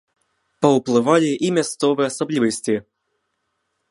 Паўплывалі і мясцовыя асаблівасці.